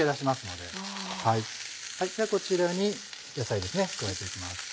ではこちらに野菜ですね加えて行きます。